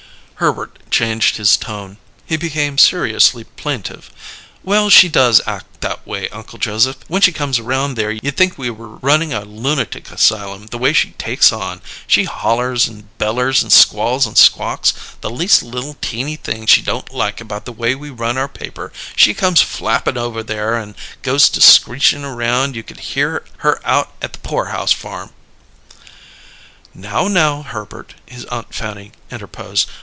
Herbert changed his tone; he became seriously plaintive. "Well, she does act that way, Uncle Joseph! When she comes around there you'd think we were runnin' a lunatic asylum, the way she takes on. She hollers and bellers and squalls and squawks. The least little teeny thing she don't like about the way we run our paper, she comes flappin' over there and goes to screechin' around you could hear her out at the Poor House Farm!" "Now, now, Herbert," his Aunt Fanny interposed.